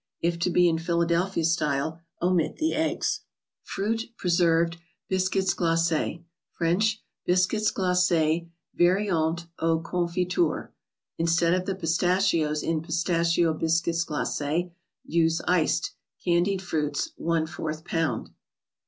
If to be in Phila¬ delphia style, omit the eggs. fruit (^reserbeti) Biscuits (Maces. (French ; Biscuits Glace's Variantes aux Confitures'). Instead of the pistachios in " Pistachio Biscuits Glaces," use " iced" (candied) fruits, one fourth pound.